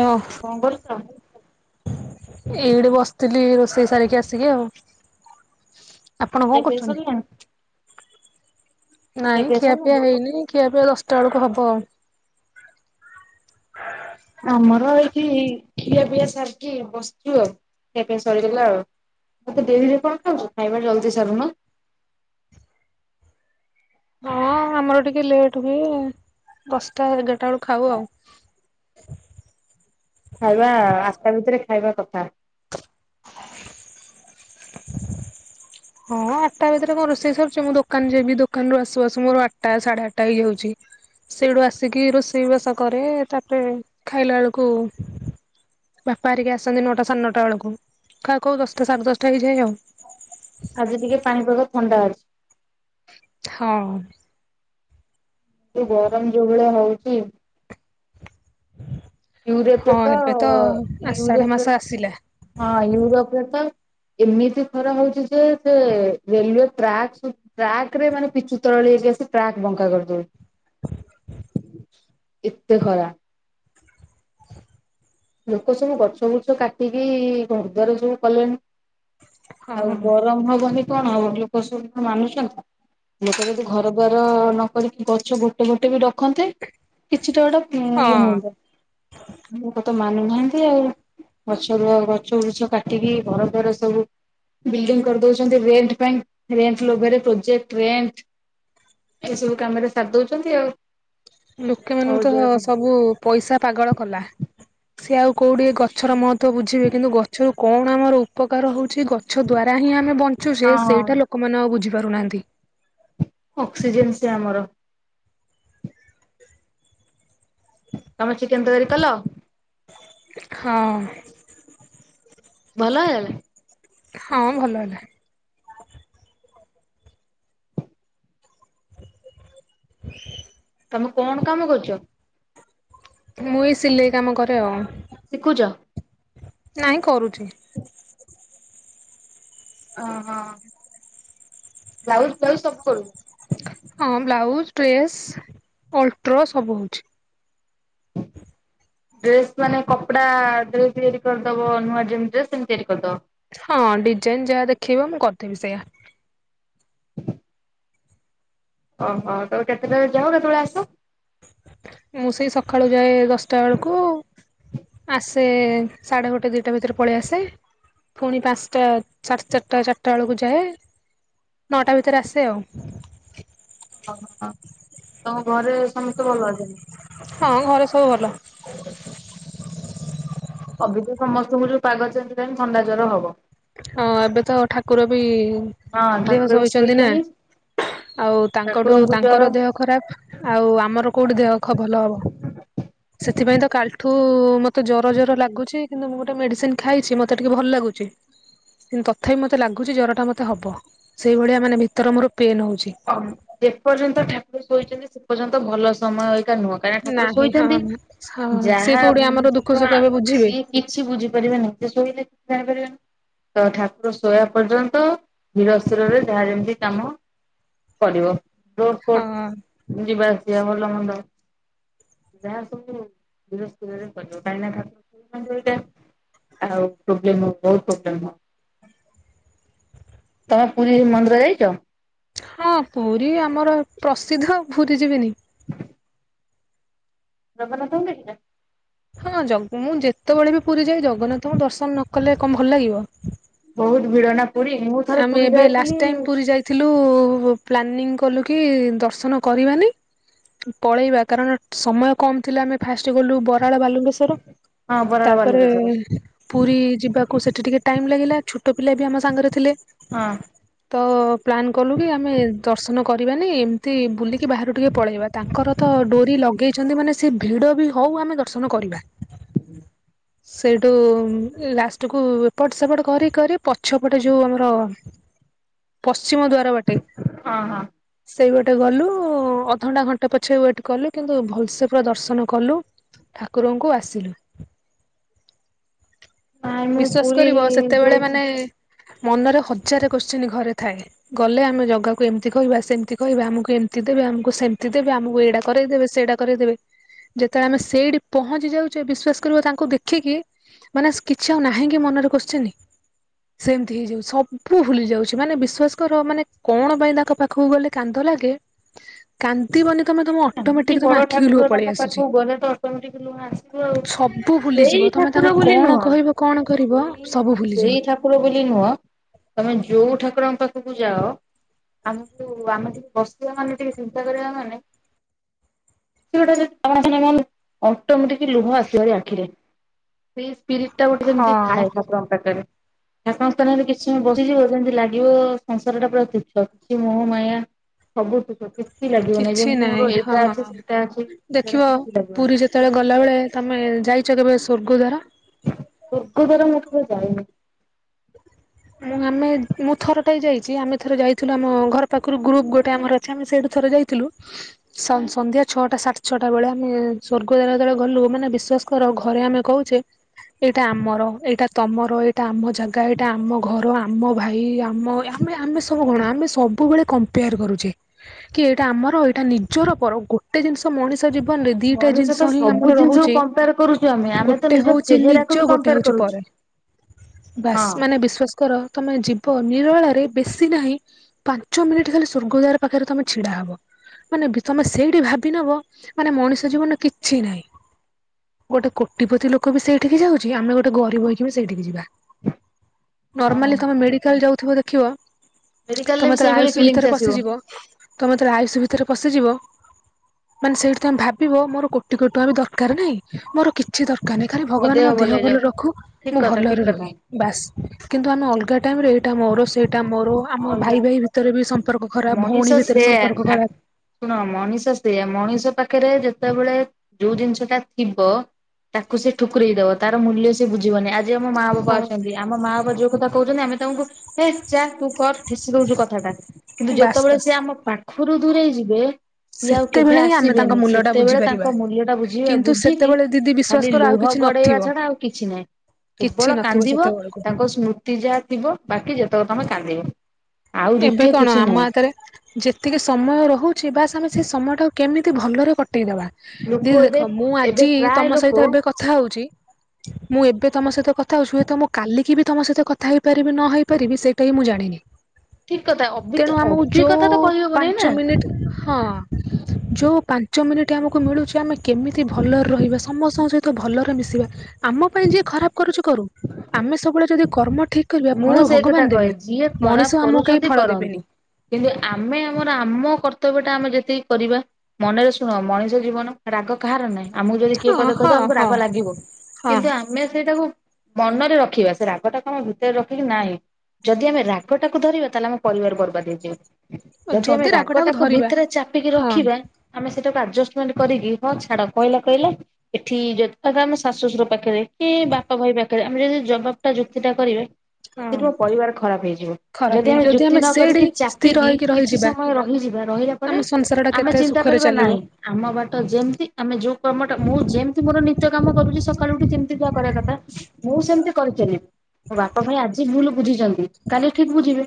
ନଅ କଣ କରୁଛ? ଏଇଟେ ବସିଥିଲି ରୋଷେଇ ସାରିକି ଆସିକି ଆଉ ଆପଣ ଖିଆ କଣ ପିଆ କରୁଛନ୍ତି? ସରିଲାଣି? ଖିଆ ନାଇଁ ପିଆ ସରିଲାଣି? ଖିଆପିଆ ହେଇନି, ଖିଆପିଆ ଦଶଟା ବେଳକୁ ହବ। ଆଉ ଆମର ଏଇଠି ଖିଆ ପିଆ ସାରିକି ଆଉ ସେ ପାଇଁ ସରିଗଲା, ଆଉ ମତେ ଡେରିରେ କଣ ଖାଉଛୁ ଖାଇବା ଜଲ୍ଦି ସାରୁନ। ହଁ ଆମର ଟିକେ ଲେଟ୍ ହୁଏ, ଦଶଟା ଏଗାରଟା ବେଳୁ ଖାଉ ଆଉ। ଖାଇବା ଆଠଟା ଭିତରେ ଖାଇବା କଥା। ହଁ ଆଠଟା ଭିତରେ କଣ ରୋଷେଇ ସରୁୁଛି, ମୁଁ ଦୋକାନ ଯିବି, ଦୋକାନରୁ ଆସୁ ଆସୁ ମୋର ଆଠଟା ସାଢେ ଆଠଟା ହେଇଯାଉଛି। ସେଇଠୁ ଆସିକି ରୋଷେଇବାସ କରେ, ତାପରେ ଖାଇଲା ବେଳକୁ ବାପାହେରିକି ଆସନ୍ତି ନଅଟା ସାଢ଼େନଅଟା ବେଳକୁ, ଖାଉ ଖାଉ ଦଶଟା ସାଢ଼େ ଦଶଟା ହେଇଯାଏ ଆଉ ଆଜି ଟିକେ ପାଣି ପାଗ ଥଣ୍ଡା ଅଛି। ହଁ ଅଁ ଯୋଉ ଗରମ ଯୋଉ ଭଳିଆ ହଉଚି ହଁ ୟୁରୋପ ତ ଏବେ ଆଷାଢ ୟୁରୋପ ମାସ ଆସିଲା ହଁ ୟୁରୋପର ତ ଏମିତି ଖରା ହଉଛି ଯେ- ସେ ରେଲୱେ ଟ୍ରାକ୍ ଟ୍ରାକ ରେ ମାନେ ପିଚୁ ତରଳି ହେଇକି ଆସି ଟ୍ରାକ୍ ବଙ୍କା କରିଦଉ ଏତେ ଖରା ଲୋକ ସବୁ ଗଛ ଗୁଛ କାଟିକି ଘରଦ୍ୱାର ସବୁ କଲେଣି ଆଉ ହଁ ଗରମ ହବନି କଣ ହବ? ଲୋକ ସବୁ ମାନୁଛନ୍ତି। ଲୋକ ଯଦି ଘର ଦ୍ୱାର ନ କରିକି ଗଛ ଗୋଟେ ଗୋଟେ ବି ଖନ୍ତେ, କିଛିଟା ଗୋଟେ ଇଏ ହଁ। ହୁଅନ୍ତା ଲୋକ ତ ମାନୁନାହାନ୍ତି ଆଉ, ଗଛରୁ ଗଛ ବୃଛ କାଟିକି ଘର ଦ୍ୱାର ସବୁ ବିଲ୍ଡିଂ କରିଦଉଛନ୍ତି ରେଣ୍ଟ ପାଇଁ ରେଣ୍ଟ ଲୋଭରେ ପ୍ରୋଜେକ୍ଟ ରେଣ୍ଟ - - ଏ ସବୁ କାମରେ ସାର ଦଉଛନ୍ତି ଆଉ ହଉ ଲୁକେମାନଙ୍କୁ ଜୋରେ ତ ହଁ ସବୁ ପଇସା ପାଗଳ କଲା। ସିଏ ଆଉ କଉଡି ଗଛର ମହତ୍ୱ ବୁଝିବେ କିନ୍ତୁ ଗଛରୁ କଣ ଆମର ଉପକାର ହଉଛି ଗ ଛ ଦ୍ଵାରା ହିଁ ଆମେ ବଞ୍ଚୁଚେ ହଁ ସେଇଟା ଲୋକମାନେ ଆଉ ବୁଝିପାରୁନାହାନ୍ତି। ଅସ୍ସିଜେନ୍‌ ସେ ଆମର। ତମେ ଚିକେନ ତକାରି କଲ? ହଁ। ଭଲ ହେଲା? ହଁ ଭଲ ହେଲା। [unintelligible] ତମେ କଣ କାମ କରୁଛ? ମୁଁ ଏଇ ସିଲେଇ କାମ କରେ ଆଉ। ଶିଖୁଛ? ନାଇଁ କରୁଛି। ଅ ହଁ ବ୍ଲାଉଜ୍ [unintelligible] ସବୁ କରୁ ହଁ ବ୍ଲାଉଜ ଡ୍ରେସ୍ ଅଲଟ୍ରୋ ସବୁ ହଉଛି। ଡ୍ରେସ ମାନେ କପଡା [unintelligible] କରିଦବ ନୂଆ ଯେମିତି ଡ୍ରେସ ସେମିତି କରିଦବ? ହଁ ଡିଜାଇନ ଯାହା ଦେଖେଇବ ମୁଁ କରିଦେବି ସେଇଆ। ହଁ ଓହୋ ତମେ କେତେଟାରେ ଯାଅ କେତେବେଳେ ଆସ? ମୁଁ ସେଇ ସକାଳୁ ଯାଏ ଦଶଟା ବେଳକୁ ଆସେ ସାଢ଼େ ଗୋଟେ ଦିଟା ଭିତରେ। ପଳେ ଆସେ ଫୁଣି ପାନ୍ସ ଟା ସାଢେ ଚାରଟା ଚାରଟା ବେଳକୁ ଯାଏ। ନଅଟା ଭିତରେ ଆସେ ଆଉ [unintelligible] ତମ ଘରେ ସମସ୍ତେ ଭଲ ଅଛନ୍ତି? ହଁ ଘରେ ସବୁ ଭଲ। [unintelligible] ଅବିକା ତ ସମସ୍ତଙ୍କୁ ଯୋଉ ପାଗ ଚେଞ୍ଜ ହେଲାଣି ଥଣ୍ଡା ଜ୍ୱର ହବ। ହଁ ଏବେ ତ ଠାକୁର ବି ହଁ ଦେହ ଠାକୁର ବି ସହିଛନ୍ତି ନା। ଶୋଇଲେଣି ଆଉ ତାଙ୍କଠୁ ଠାକୁରଙ୍କୁ ତାଙ୍କର ଜର ଦେହ ଖରାପ। ଆଉ ଆମର କୋଉଠି ଦେହ ଖ ଭଲ ହବ। ହ ସେଥିପାଇଁ ତ କାଲିଠୁ ମତେ ଜର ଜର ଲାଗୁଛି କିନ୍ତୁ ମୁଁ ଗୋଟେ ମେଡିସିନ ଖାଇଛି ମତେ ଟିକେ ଭଲ ଲାଗୁଛି। କିନ୍ତ ତଥାପି ମତେ ଲାଗୁଛି ଜର ଟା ମତେ ହବ ସେଇଭଳିଆ ମାନେ ଭିତର ମୋର ପେନ୍ ହଉଛି। ହ ଯେପର୍ଯ୍ୟନ୍ତ ଠାକୁର ଶଇଛନ୍ତି ସେ ପର୍ଯ୍ୟନ୍ତ ଭଲ ସମୟ ଏଇକା ନୁହଁ। ନା ଠାକୁର ନାହିଁ ହଁ ଶୋଇଛନ୍ତି ହଁ ସେ ଯାହା କୋଉଠି ଆମର ଦୁଃଖ ସୁଖ ଏବେ [unintelligible] ବୁଝିବେ ସି କିଛି ବୁଝିପାରିବେନି ସେ ଶୋଇଲେ [unintelligible] ଜାଣିପା ତ ଠାକୁର ଶୋଇବା ପର୍ଯ୍ୟନ୍ତ ଧୀର ସ୍ତିରରେ ଯାହା ଯେମିତି କାମ କରିବ ହଁ [unintelligible] ଯିବା ଆସିବା ଭଲ ମନ୍ଦ ଯାହା ସବୁ ଧିର ସ୍ତିରରେ କରିବ କାହିଁକ ନା ଠା [unintelligible] ଏଇଟା ଆଉ ପ୍ରୋବ୍ଲେମ ବହୁତ ପ୍ରୋବ୍ଲେମ। ତମେ ପୁରୀରେ ମନ୍ଦିର ଯାଇଚ? ହଁ ପୁରୀ ଆମର ପ୍ରସିଦ୍ଧ ପୁରୀ ଯିବିନି। ଜଗନ୍ନାଥ [unintelligible] ହଁ ଜଗ ମୁଁ ଯେତେବେଳେ ବି ପୁରୀ ଯାଏ, ଜଗନ୍ନାଥଙ୍କୁ ଦର୍ଶନ ନ କଲେ କଣ ଭଲ ଲାଗିବ। ବହୁତ ଭିଡ଼ ଆମେ ଏବେ ଲାଷ୍ଟ ଟାଇମ୍ ପୁରୀ ଯାଇ ଥିଲୁ ପ୍ଲାନିଂ କଲୁ କି ଦର୍ଶନ କରିବାନି ପଳେଇବା କାରଣ ସମୟ କମ୍ ଥିଲା ଆମେ ଫାଷ୍ଟ ଗଲୁ ବରାଳ ବାଲୁଙ୍କେ ଶର ହଁ ବରାଳ ତାପରେ ବାଲୁକେଶ୍ୱର ପୁରୀ ଯିବାକୁ ସେଠି ଟିକେ ଟାଇମ୍ ଲାଗିଲା ଛୋଟ ପିଲା ବି ଆମ ସାଙ୍ଗରେ ଥିଲେ। ହଁ। ତ ପ୍ଲାନ୍ କଲୁ କି ଆମେ ଦର୍ଶନ କରିବାନି ଏମିତି ବୁଲିକି ବାହାରୁ ଟିକେ ପଳେଇବା ତାଙ୍କର ତ ଡୋରି ଲଗେଇଛନ୍ତି ମାନେ ସେ ଭିଡ ବି ହଉ ଆମେ ଦର୍ଶନ କରିବା। ସେଇଠୁ ଲାଷ୍ଟ କୁ ଏପଟ ସେପଟ କରି କରି ପ ଗଛପଟେ ଯୋଉ ଆମର ପଶ୍ଚିମ ଦ୍ଵାର ବାଟେ ହଁ ହଁ ସେଇ ପଟେ ଗଲୁ ଅଧଘଣ୍ଟା ଘଣ୍ଟେ ପଛେ ୱେଟ କଲୁ କିନ୍ତୁ ଭଲସେ ପୁରା ଦର୍ଶନ କଲୁ। ଠାକୁରଙ୍କୁ ଆସିଲୁ ନାଇଁ ମୁଁ ବିଶ୍ଵାସ ପୁରୀ କରିବ ସେତେବେଳେ ଯାଇଛି। ମାନେ ମନରେ ହଜାରେ କୋଶ୍ଚିିନ ଘରେ ଥାଏ। ଗଲେ ଆମେ ଜାଗାକୁ ଏମିତି କହିବା ସେମିତି କହିବା ଆମକୁ ଏମିତି ଦେବେ ଆମକୁ ସେମତି ଦେବେ ଆମକୁ ଏଇଟା କରେଇଦେବେ ସେଇଟା କରେଇଦେବେ ଯେତେବେଳେ ଆମେ ସେଇଠି ପହଞ୍ଚି ଯାଉଚେ ବିଶ୍ୱାସ କରିବ ତାଙ୍କୁ ଦେଖିକି ମାନେ କିଛି ଆଉ ନାହିଁ କି ମନରେ କୋଶ୍ଚିନ୍ ସେମତି ହେଇଯାଉଛି ସବୁ ଭୁଲି ଯାଉଛି ମାନେ ବିଶ୍ଵାସ କର ମାନେ କଣ ପାଇଁ ତାଙ୍କ ପାଖକୁ ଗଲି? କାନ୍ଦ ଲାଗେ କାନ୍ଦିବାଟା ତମେ ତମ ଅ ଏତି ବଡ ଠାକୁର ମାନଙ୍କ ପାଖକୁ ଗଲେ ତ ଅଟୋମେଟିକ ଲୁହ ଆସିବ ଆଉ। ସବୁ ଭୁଲିଯିବ ଏଇ ତମେ ତାଙ୍କୁ ଠାକୁର ବୋଲି କଣ ନୁହଁ! କହିବ କଣ କରିବ ହଁ ସବୁ ଭୁଲିଯିବ। ସେଇ ଠାକୁ ଠାକୁର ବୋଲି ନୁହଁ ତମେ ଯୋଉ ଠାକୁରଙ୍କ ପାଖକୁ ଯାଅ ଆମକୁ ଆମେ ବସ୍ତୁ ମାନେ ଯେମିତି ଚିନ୍ତା କରିବା ମାନେ ସେ ଗୋଟେ ମାନେ ଅଟୋମେଟିକ୍ ଲୁହ ଆସିଯାଉଛି ଆଖିରେ ସେଇ ସ୍ପିରିଟ୍ ସେଟା ଗୋଟେ ଯେମିତି ହଁ। ଥାଏ, ଠାକୁରଙ୍କ ପାଖରେ। ଠାକୁରଙ୍କ ସ୍ଥାନରେ କିଛି ସମୟ ବସିଯିବ, ଯେମିତି ଲାଗିବ ସଂସାର ଟା ପୁରା ତୁଛ। କିଛି ମୋ ମାୟା ସବୁ ସୁଖ କିଛି ଲାଗିବନି। କିଛି ଯେମିତି ନାହିଁ ମୋର ଏଇଟା ଅଛି ହଁ ସେଇଟା ଅଛି ଦେଖିବ ସେରା କିଛି ଲାଗିବନି। ପୁରୀ ଯେତେବେଳେ ଗଲାବେଳେ ତମେ ଯାଇଚ କେବେ ସ୍ୱର୍ଗଦ୍ୱାର? ସ୍ୱର୍ଗଦ୍ୱାର ମୁଁ କେବେ ଯାଇନି। ମୁଁ ଆମେ ମୁଁ ଥରଟେ ଯାଇଚି। ଆମେ ଥରେ ଯାଇଥିଲୁ ଆମ ଘର ପାଖରୁ ଗ୍ରୁପ୍ ଗୋଟେ ଆମର ଅଛି ଆମେ ସେଇଠୁ ଥରେ ଯାଇ ଥିଲୁ। ସ ସନ୍ଧ୍ୟା ଛଅଟା ସାତେ ଛଅଟା ବେଳେ ଆମେ ସ୍ୱର୍ଗଦ୍ୱାର ଯେତେତେଳେ ଗଲୁ ମାନେ ବିଶ୍ୱାସ କାର, ଘରେ ଆମେ କହୁଚେ ଏଇଟା ଆମର ଏଇଟା ତମର ଏଇଟା ଆମ ଜାଗା ଏଇଟା ଆମ ଘର ଆମ ଭାଇ ଆମ ଆମ ଆମେ ସବୁ କଣ ଆମେ ସବୁବେଳେ କମ୍ପୟାର କରୁଚେ। କି ଏଇଟା ଆମର ଏଇଟା ନିଜର ପର ଗୋଟେ ଜିନିଷ ମଣିଷ ଜୀବନରେ ଦିଟା ମଣିଷ ଜିନିଷ ତ ହିଁ ଆମର ସବୁ ଜିନିଷକୁ ରହୁଛି କମ୍ପୟାର କରୁଚୁ ଆମେ। ଆମେ ଗୋଟେ ତ ନିଜ ହଉଛି ନିଜ ଚେହେରାକୁ ବି ଗୋଟେ କମ୍ପୟାର ହଉଛି ପର କରୁଚି। ବାସ୍ ମାନେ ବିଶ୍ଵାସ କର, ତମେ ଜୀବ ନିରୋଳାରେ ବେଶୀ ନାହିଁ ପାଞ୍ଚ ମିନିଟ୍ ଖାଲି ସ୍ୱର୍ଗଦ୍ୱାର ପାଖରେ ତମେ ଛିଡା ହବ ମାନେ ତମେ ସେଇଠି ଭାବି ନବ ମାନେ ମଣିଷ ଜୀବନରେ କିଛି ନାହିଁ। ଗୋଟେ କୋଟିପତି ଲୋକ ବି ସେଇଠିକି ଯାଉଚି। ଆମେ ଗୋଟେ ଗରିବ ହେଇକି ବି ସେଇଠିକି ଯିବା। ନର୍ମାଲି ହଁ ତୁମେ ମେଡ଼ିକାଲ ଯାଉଥିବ ଦେଖିବ ମେଡିକାଲରେ ତୁମେ ବି ଯେତେବେଳେ ସେଇଭଳି ଆୟୁଷ ଫିଲିଙ୍ଗସ୍ ଭିତରେ ଆସିବ ପଶିଯିବ। ତମେ ଯେତେବେଳେ ଆୟୁସୁ ଭିତରେ ପଶିଯିବ ମାନେ ସେଇଠି ତମେ ଭାବିବ ମୋର କୋଟି କୋଟି ଟଙ୍କା ବି ଦର କାର ନାଇଁ ମୋର କିଛି ଦରକାର ନାହିଁ ଖାଲି ଭଗବାନ ମୋ ଦେହ ଭଲ ରଖୁ ଠିକ ମୁଁ କଥା ଠିକ ଭଲରେ କଥା ରୁହେ। ବାସ୍ କିନ୍ତୁ ଆମେ ଅଲଗା ଟାଇମ୍ ରେ ଏଇଟା ମୋର ସେଇଟା ମୋର ଆମ ଅଲଗା ଭାଇ ଭାଇ ଭିତରେ ବି ସମ୍ପର୍କ ଖରାପ ମଣିଷ ଭଉଣୀ ଭିତରେ ସମ୍ପର୍କ ସେୟା ଖରାପ୍। ଶୁଣ ମଣିଷ ସେୟା ମଣିଷ ପାଖରେ ଯେତେବେଳେ ଯୋଉ ଜିନିଷ ଟା ଥିବ। ତାକୁ ସେ ଠୁକୁରେଇ ଦବ ତାର ମୂଲ୍ୟ ସେ ବୁଝିବନି ଆ। ଆଜି ଆମ ମା ବାପା ଅଛନ୍ତି ହଁ ଆମ ମା ବାପା ଯୋଉ କଥା କହୁଛନ୍ତି ଆମେ ତାଙ୍କୁ ହେ ଯା ତୁ କର ଠେସି ଦଉଛୁ କଥାଟା କିନ୍ତୁ ବାସ୍ ଯେତେବେଳେ ବାସ୍ ସେ ଆମ ପାଖରୁ ଦୂରେଇ ଯିବେ ସିଏ ଆଉ କେବେ ସେତେବେଳେ ହିଁ ଆମେ ତାଙ୍କ ଆସିବେନି ମୂଲ୍ୟ ଟା ସେତେବେଳେ ବୁଝିପାରିବା ତାଙ୍କ ମୂଲ୍ୟ ଟା ବୁଝବା କିନ୍ତୁ ବୁଝିକି ସେତେବେଳେ ଦିଦି ବିଶ୍ଵାସ ଖାଲି କର ଆଉ ଲୁହ କିଛି ଗଡେଇବା ନଥିବ ଛଡା ଆଉ କିଛି ନାହିଁ। କିଛି କେବଳ ନଥିବ କାନ୍ଦିବ ସେତେବେଳକୁ ତାଙ୍କ ସ୍ମୃତି ସ୍ମୃତି ଯାହା ଥିବ ବାକି ଯେତେବେଳେ ତମେ କାନ୍ଦିବ। ଆଉ ଏବେ ଦ୍ଵିତୀୟ କଣ କିଛି ଆମ ନାହିଁ। ହାତରେ ଯେତିକି ସମୟ ରହୁଛି ବାସ୍ ଆମେ ସେ ସମୟ ଟାକୁ କେମିତି ଭଲରେ କଟେଇଦବା। ଲୋକ ଦିଦି ଏବେ ଦେଖ ମୁଁ ଏବେ ଆଜି ପ୍ରାୟ ତମ ଲୋକ ସହିତ ଏବେ କଥା ହଉଛି। ମୁଁ ଏବେ ତମ ସହିତ କଥା ହଉଛି ହୁଏତ ମୁଁ କାଲିକି ବି ତମ ସହିତ କଥା ହେଇପାରିବି ନ ହେଇପାରିବି ସେଇଟା ହିଁ ମୁଁ ଜାଣିନି। ଠିକ୍ କଥା ଅ ତେଣୁ ଆମକୁ ଯୋଉ ପାଞ୍ଚ ମିନିଟ୍। ହଁ ଯୋଉ ପାଞ୍ଚ ମିନିଟ ଆମକୁ ମିଳୁଛି ଆମେ କେମିତି ଭଲରେ ରହିବା ସମସ୍ତଙ୍କ ସହିତ ତ ଭଲରେ ମିଶିବା ଆମ ପାଇଁ ଯିଏ ଖରାପ କରୁଛି କରୁ ଆମେ ସବୁବେଳେ ଯଦି କର୍ମ ଠିକ୍। କରିବା ମୁଁ ଫଳ ସେଇ କଥା ଭଗବାନ ଦେବେ କହେ ଯିଏ ଖରାପ ମଣିଷ ଆମକୁ କେହି କରୁଛନ୍ତି ଫଳ କରନ୍ତୁ। ଦେବେନି। କିନ୍ତୁ ଆମେ ଆମର ଆମ କର୍ତ୍ତବ୍ୟ ଟା ଆମେ ଯେତିକି କରିବା। ମନରେ ଶୁଣ ମଣିଷ ଜୀବନ ରାଗ କାହାର ନାହିଁ ଆମକୁ ଯଦି କିଏ ହଁ ପଦେ ହଁ କହିଦବ ଆମକୁ ହଁ। ରାଗ ଲାଗିବ କିନ୍ତୁ ଆ ହଁ ଆମେ ସେଇଟାକୁ ମନରେ ରଖିବା ସେ ରାଗ ଟା କଣ ହୁଁ ଭିତରେ ରଖିକି ନାଇଁ ଯଦି ଆମେ ରାଗ ଟାକୁ ଧରିବା ତାହେଲେ ଆମ ପରିବାର ବର୍ବାଦ ହେଇଯିବ। ଯଦି ଆମେ ରାଗ ରାଗଟାକୁ ଟାକୁ ଧରିବା ଭିତରେ ଚାପିକି ହଁ ରଖିବା। ଆମେ ସେଟାକୁ ଆଡଜଷ୍ଟମେଣ୍ଟ କରିକି ହଁ ଛାଡ଼ କହିଲା କହିଲା। ଏଠି ଯେତେ ଟା ଆମେ ଶାଶୁଶଶୁର ପାଖରେ କି ବାପା ଭାଇ ପାଖରେ ଆମେ ଯଦି ଜବାବ ଟା ଯୁକ୍ତି ଟା କରିବା ହଁ ସେଠି ମୋ ପରିବାର ଖରାପ ହେଇଯିବ ଖରାପ ଯଦି ହେଇ ଆମେ ଯୁକ୍ତି ନ ସେଇଠି କରିକି ସ୍ଥିର ଚାପିକି ହେଇକି କିଛି ରହିଯିବା ସମୟ ରହିଯିବା ରହିଲା ଆମ ମାନେ ସଂସାର ଟା ଆମେ କେତେ ଚିନ୍ତା ସୁଖରେ କରିବା ଚାଲିବ ନାଇଁ ଆମ ବାଟ ଯେମତି ଆମେ ଯୋଉ କାମଟା ମୁଁ ଯେମିତି ମୋର ନିତ୍ୟ କାମ କରୁଛି ସକାଳୁ ଉଠି ଯେମିତି ଯା କରିବା କଥା। ମୁଁ ସେମିତି କରିଚାଲିବି। ତ ଭାଇ ଆଜି ଭୁଲ ବୁଝିଛନ୍ତି କାଲି ଠିକ୍ ବୁଝିବେ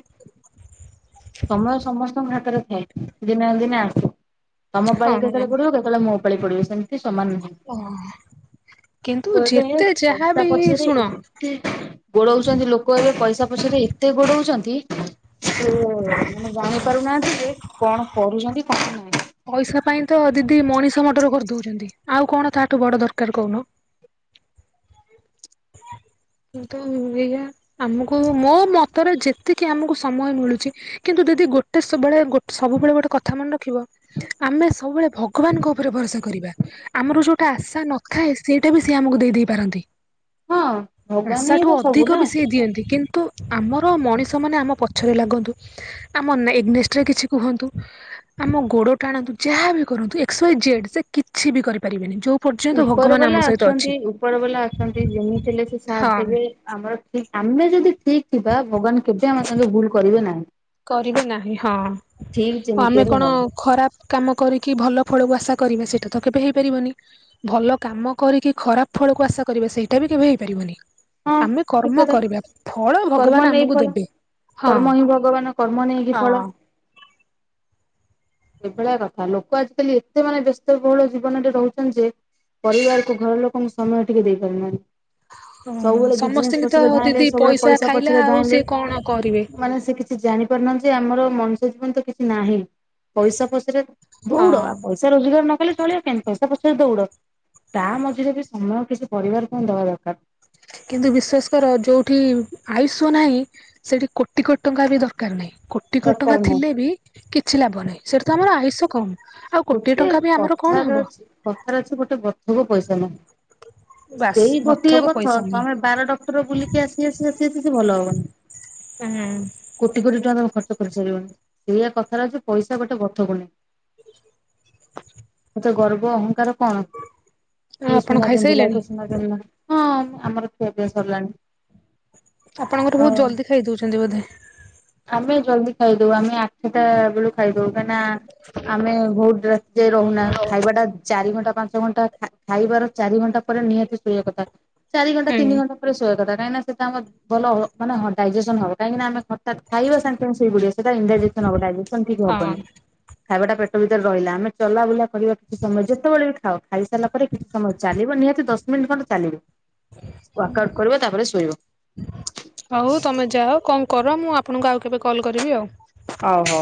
ସମୟ ସମସ୍ତ ଆମ ହାତରେ ଥାଏ ଦିନେ ନା ଦିନେ ଆସୁ ତମ ହଁ ପାଳି କେତେବେଳେ ପଡିବ କେତେବେଳେ ମୋ ପାଳି ପଡିବ ସେମିତି ସ୍ତେ ସମାନ ନୁହେଁ ଓ କିନ୍ତୁ କୁହାଯାଏ ଯେତେ ପଇସା ଯାହାବି ପଛରେ। ଶୁଣ ଗୋଡଉଛନ୍ତି ଲୋକ ଏବେ ପଇସା ପଛରେ ଏତେ ଗୋଡଉଛନ୍ତି। ସେମାନେ ଜାଣି ପାରୁନାହାନ୍ତି ଯେ କଣ କରୁଛନ୍ତି କଣ ନାହିଁ। ପଇସା ପାଇଁ ତ ଦିଦି ମଣିଷ ମଡର କରିଦଉଛନ୍ତି ଆଉ କଣ ତାହାଠୁ ବଡ ଦରକାର କହୁନ। କିନ୍ତୁ ଏଇଆ ଆମକୁ ମୋ ମତରେ ଯେତିକି ଆମକୁ ସମୟ ମିଳୁଛି। କିନ୍ତୁ ଦିଦି ଗୋଟେସବୁବେଳେ ସବୁବେଳେ ଗୋଟେ କଥା ମନେ ରଖିବ। ଆମେ ସବୁବେଳେ ଭଗବାନଙ୍କ ଉପରେ ଭରସା କରିବା। ଆମର ଯୋଉଟା ଆଶା ନଥାଏ ସେଇଟା ବି ସିଏ ଆମକୁ ଦେଇଦେଇ ପାରନ୍ତି। ହଁ ଭଗବାନ ହିଁ ଆଶାଠୁ ତ ସବୁ ଅଧିକ ନା। ବି ସେଇ ଦିଅନ୍ତି କିନ୍ତୁ ଆମର ମଣିଷ ମାନେ ଆମ ପଛରେ ଲାଗନ୍ତୁ। ଆମ ନେ ଏଗନେଷ୍ଟରେ କିଛି କୁହନ୍ତୁ। ଆମ ଗୋଡ ଟାଣନ୍ତୁ ଯାହା ବିି କରନ୍ତୁ ଏସ୍କ୍ ୱଇ ଜେଡ୍ ସେ କିଛି ବି କରିପାରିବେନି ଯୋଉ ଯୋଉ ପର୍ଯ୍ୟନ୍ତ ଉପର ଭଗବାନ ବାଲା ଆମ ସହିତ ଅଛନ୍ତି ଅଛି। ଉପର ବାଲା ଅଛନ୍ତି ଯେମିତି ଥିଲେ ସେ ସାଥ୍ ହଁ ଦେବେ। ଆମର ଠିକ ଆମେ ଯଦି ଠିକ ଥିବା ଭଗବାନ କେବେ ଆମ ସାଙ୍ଗେ ଭୁଲ କରିବେ ନାହିଁ। କରିବେ ନାହିଁ ହଁ ଠିକ ଯେମିତି ଆମେ ହେଲେ କଣ ହବ ଖରାପ। କାମ କରିକି ଭଲ ଫଳକୁ ଆଶା କରିବା ସେଇଟା ତ କେବେ ହେଇପାରିବନି। ଭଲ କାମ କରିକି ଖରାପ ଫଳକୁ ଆଶା କରିବା ସେଇଟା ବି କେବେ ହେଇପାରିବନି। ହଁ ଆମେ ଠିକ କର୍ମ କଥା। କରିବା ଫଳ କର୍ମ ଭଗବାନ ନେଇ ଆମକୁ ଫଳ ଦେବେ ହଁ। କର୍ମ ହିଁ ଭଗବାନ କର୍ମ ନେଇକି ଫଳ ହଁ ଏଭଳିଆ କଥା ଲୋକ ଆଜିକାଲି ଏତେ ମାନେ ବ୍ୟସ୍ତବହୁଳ ଜୀବନରେ ରହୁଛନ୍ତି ଯେ ପରିବାରକୁ ଘର ଲୋକଙ୍କୁ ସମୟ ଟିକେ ଦେଇ ପାରୁନାହାନ୍ତି। କଣ ସବୁବେଳେ ବିଜନେସ୍ ସମସ୍ତିଙ୍କି ତ ପଛରେ ଧାଇଁଲେ ଦିଦି ସବୁବେଳେ ପଇସା ଖାଇଲା ପଛରେ ଆଉ ଧାଇଁଲେ ସିଏ କଣ କରିବେ। ମାନେ ସେ କିଛି ଜାଣିପାରୁନାହାନ୍ତି ଆମର ମଣିୁଷ୍ୟ ଜୀବନ ତ କିଛି ନାହିଁ ପଇସା ପଛରେ ଦୌଉଡ ହଁ ଆଉ ପଇସା ରୋଜଗାର ନ କଲେ ଚଲିବ କେମତି ପଇସା ପଛରେ ଦୌଡ। ତା ମଝିରେ ବି ସମୟ କିଛି ପରିବାରକୁ ହଁ ଦବା ଦରକାର। କିନ୍ତୁ ବିଶ୍ୱାସ କର ଯୋଉଠି ଆୟୁଷ ନାହିଁ ସେଠି କୋଟି କୋଟି ଟଙ୍କା ବି ଦରକାର ନାହିଁ। କୋ କୋଟି କୋଟି ଦରକାର ଟଙ୍କା ନାହିଁ। ଥିଲେ ବି କିଛି ଲାଭ ନାହିଁ ସେଇଟା ତ ଆମର ଆୟୁଷ କମ୍। ଆଉ କୋଟିଏ ଗୋଟେ ଟଙ୍କା ବି ଆମର କଣ କଥାରେ ହବ? ଅଛି କଥାରେ ଅଛି ଗୋଟେ ବଥକୁ ପଇସା ନବ ବାସ୍ ସେଇ ଗୋଟିଏ ଗଥକୁ ବଥ ପଇସା ନାହିଁ। ତମେ ବାରଟା ବୁଲି ଆସି ଆସି ଆସି ଆସିି ସେ ଭଲ ହବନି। ହୁଁ। କୋଟି କୋଟି ଟଙ୍କା ତମେ ଖର୍ଚ୍ଚ କରିସାରିବନି ସେଇଆ କଥାଟ ଅଛି ପଇସା ଗୋଟେ ବଥକୁୁନି। ସେ ଗର୍ବ ଅହଂଙ୍କାର କଣ ଆଉ କିଏ ଆପଣ ସୁନା ପିନ୍ଧିଲା ଖାଇସାଇଲେଣି କିଏ ସୁନା ହଁ ଆମର ଖିଆ ପିଆ ସରିଲାଣି। ଆପଣଙ୍କର ବହୁତ ହଁ ଜଲ୍ଦି ଖାଇଦଉଛନ୍ତି ବୋଧେ? ଆମେ ଜଲଦି ଖାଇଦଉ ଆମେ ଆଠଟା ବେଳୁ ଖାଇଦଉ କାହିଁକିନା ଆମେ ବହୁତ ଯ ରହୁନା ଖାଇବା ଟା ଚାରି ଘଣ୍ଟା ପାଞ୍ଚ [unintelligible] ଛ ଘଣ୍ଟା ଖାଇବାର ଚାରି ଘଣ୍ଟା ପରେ ନିହାତି ଶୋଇବା କଥା ଚାରି ଘଣ୍ଟା ହୁଁ ତିନି ଘଣ୍ଟା ଶୋଇବା କଥା ସେଟା ଆମ ଭଲ ମାନେଡାଇଜେସନ ହବ କାହିଁକିନା ଆମେ ହଠାତ୍ ଖାଇବା ସାଙ୍ଗେ ସଙ୍ଗେ ସୋଇପଡ଼ିବା ଇନ୍ଡ଼ାଇଯେସନ ଡ଼ାଇଯେସନ ଠିକ ହଁ ହବନି ଖାଇବା ଟା ପେ ଭିତରେ ରହିଲା ଆମେ ଚଲାବୁଲା କରିବା କିଛି ସମୟ ଯେତେବେଳେ ବି ଖାଉ ଖାଇସାରିଲା ପରେ କିଛି ସମୟ ଚାଲିବ ନିହାତି ଦଶ ଦିମିନଟ୍ ଖଣ୍ଡ ଚାଲିବ ୱାକ୍ ଆଉଟ୍ କରିବ ତାପରେ ଶୋଇବ। ହଉ ତମେ ଯାଅ କଣ କର ମୁଁ ଆପଣଙ୍କୁ ଆଉ କେବେ କଲ୍ କରିବି ଆଉ। ହଉ ହଉ।